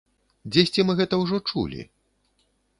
Дзесьці мы гэта ўжо чулі?